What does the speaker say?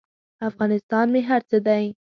افغانستان مې هر څه دی.